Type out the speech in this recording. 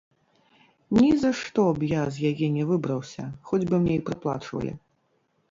Нізашто б я з яе не выбраўся, хоць бы мне й прыплачвалі.